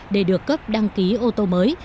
để được cấp đăng ký ô tô mới